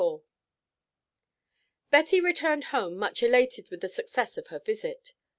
IV Betty returned home much elated with the success of her visit.